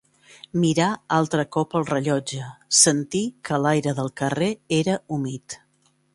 Mirà altre cop el rellotge, sentí que l'aire del carrer era humit